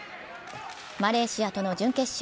マレーシアとの準決勝。